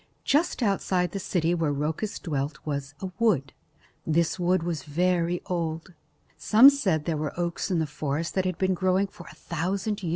Just outside the city where Rhoecus dwelt was a wood. This wood was very old. Some said there were oaks in the forest that had been growing for a thousand years.